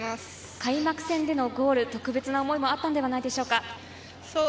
開幕戦でのゴール、特別な思いがあったのではないでしょうか？